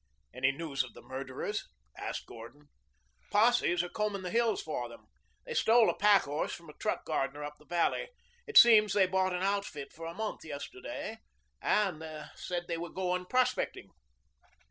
"Any news of the murderers?" asked Gordon. "Posses are combing the hills for them. They stole a packhorse from a truck gardener up the valley. It seems they bought an outfit for a month yesterday said they were going prospecting."